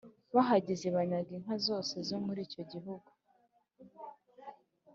bahageze banyaga inka zose zo muri icyo gihugu,